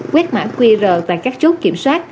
quét mã qr tại các chốt kiểm soát